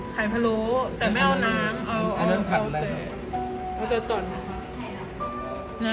ไข่พรูแต่ไม่เอาน้ำ